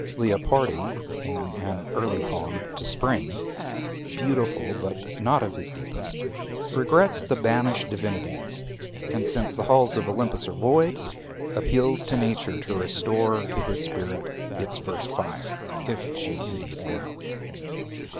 Leopardi an early poem "To Spring," beautiful but not of his deepest, regrets the banished divinities, and since the halls of Olympus are void, appeals to Nature to restore to his spirit its first fire, if she indeed lives.